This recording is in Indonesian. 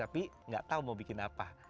tapi nggak tahu mau bikin apa